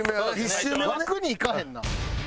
ラクにいかへんな。